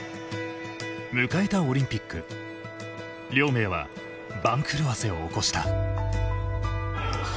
迎えたオリンピック亮明は番狂わせを起こした。